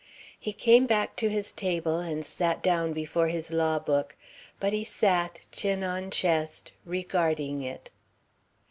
He came back to his table, and sat down before his lawbook. But he sat, chin on chest, regarding it.